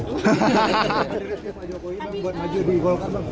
ini pak jokowi bang buat maju di golkar bang